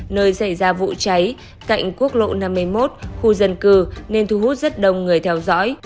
nơi xảy ra vụ cháy cạnh quốc lộ năm mươi một khu dân cư nên thu hút rất đông người theo dõi